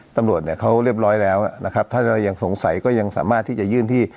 ตำรวจเนี่ยเขาเรียบร้อยแล้วนะครับถ้าเรายังสงสัยก็ยังสามารถที่จะยื่นที่